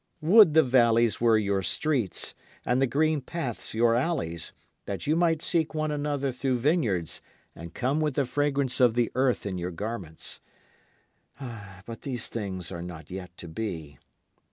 Would the valleys were your streets, and the green paths your alleys, that you might seek one another through vineyards, and come with the fragrance of the earth in your garments. But these things are not yet to be.